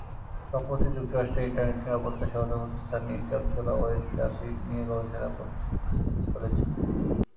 সম্প্রতি যুক্তরাষ্ট্রের ইন্টারনেট নিরাপত্তা সেবাদাতা প্রতিষ্ঠান ইনক্যাপসুলা ওয়েব ট্রাফিক নিয়ে গবেষণা করেছে।